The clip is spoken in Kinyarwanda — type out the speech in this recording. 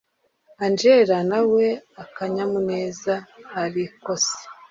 angella nawe akanyamuneza arikose